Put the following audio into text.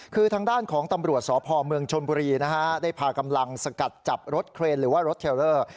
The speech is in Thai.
คือทางด้านของตำรวจสพเมืองชนบุรีนะฮะได้พากำลังสกัดจับรถเครนหรือว่ารถเทลเลอร์